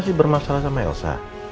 masih bermasalah sama elsa